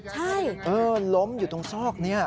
ใช่เออล้มอยู่ตรงชอกนี่